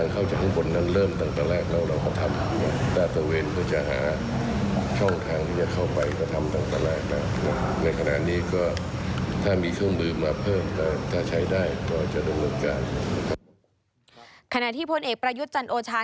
ขณะที่พลเอกประยุทธ์จันโอชา